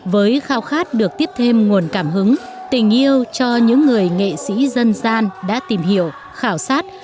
với khao khát được tiếp thêm nguồn cảm hứng tình yêu cho những người nghệ sĩ dân gian đã tìm hiểu khảo sát